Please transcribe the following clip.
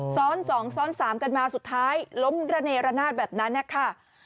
ซ้อน๒ซ้อน๓กันมาสุดท้ายล้มระเนรนาศแบบนั้นนะคะ